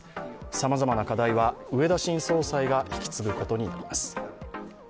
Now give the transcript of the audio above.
さまざまな課題は植田新総裁が引き継ぐことになります。